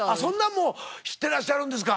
もう知ってらっしゃるんですか？